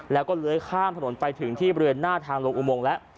แล้วก็เลื้อยข้ามถนนไปถึงที่บริเวณหน้าทางลงอุโมงแล้ว